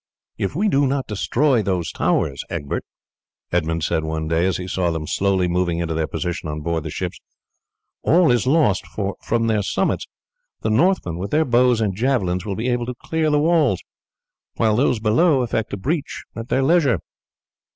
"If we do not destroy those towers, Egbert," Edmund said one day as he saw them slowly moving into their position on board the ships, "all is lost, for from their summits the Northmen with their bows and javelins will be able to clear the walls, while those below effect a breach at their leisure."